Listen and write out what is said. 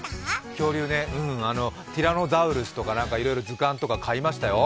恐竜ね、ティラノザウルスとか、図鑑とか買いましたよ。